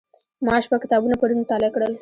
ما شپږ کتابونه پرون مطالعه کړل.